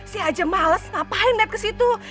si aja males ngapain lihat ke situ